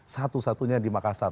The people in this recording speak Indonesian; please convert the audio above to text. satu satunya di makassar